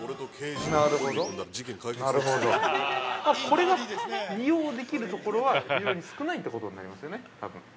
これが利用できるところは非常に少ないってことになりますよね。